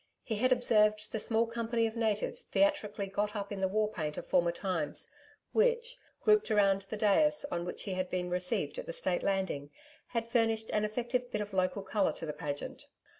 He had observed the small company of natives theatrically got up in the war paint of former times, which, grouped round the dais on which he had been received at the State Landing, had furnished an effective bit of local colour to the pageant.